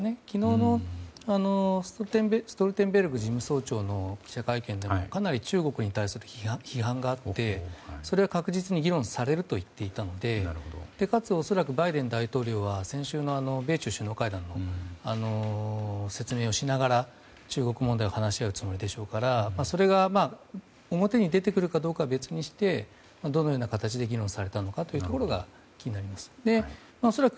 昨日のストルテンベルグ事務総長の記者会見でもかなり中国に対する批判があってそれは確実に議論されると言っていたのでかつ恐らくバイデン大統領は先週の米中首脳会談の説明をしながら、中国と話し合うつもりでしょうから表に出てくるかどうかは別にしてどのような形で議論されるのかが気になります。